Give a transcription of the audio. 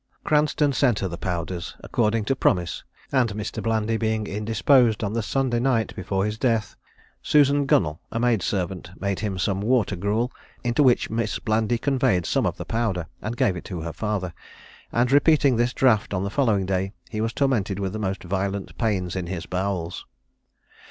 Cranstoun sent her the powders, according to promise, and Mr. Blandy being indisposed on the Sunday se'nnight before his death, Susan Gunnel, a maid servant, made him some water gruel, into which Miss Blandy conveyed some of the powder, and gave it to her father; and repeating this draught on the following day, he was tormented with the most violent pains in his bowels.